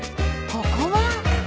［ここは］